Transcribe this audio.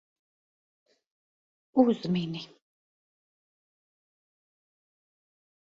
Uzmini.